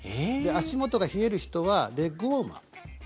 足元が冷える人はレッグウォーマー。